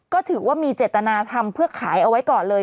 ก็ถือว่ามีเจตนาทำเพื่อขายเอาไว้ก่อนเลย